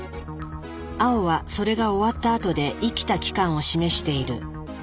青はそれが終わったあとで生きた期間を示している。